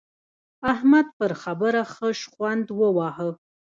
احمد پر خبره ښه شخوند وواهه.